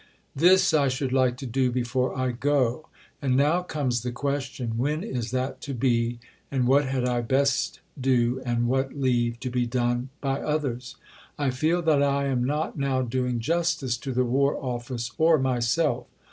] This I should like to do before I go. And now comes the question, when is that to be and what had I best do and what leave to be done by others. I feel that I am not now doing justice to the War Office or myself.